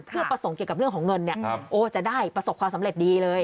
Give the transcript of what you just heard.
เพื่อประสงค์เกี่ยวกับเรื่องของเงินเนี่ยโอ้จะได้ประสบความสำเร็จดีเลย